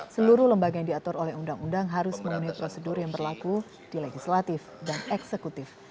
seluruh lembaga yang diatur oleh undang undang harus memenuhi prosedur yang berlaku di legislatif dan eksekutif